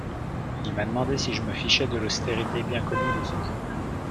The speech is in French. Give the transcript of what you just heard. Il m'a demandé si je me fichais de l'austérité bien connue de son journal.